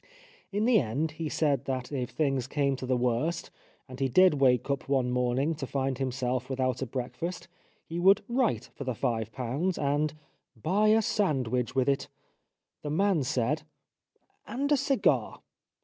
In the end he said that if things came to the worst and he did wake up one morning to find himself without a breakfast he would write for the five pounds and " buy a sandwich with it." The man said :" And a cigar."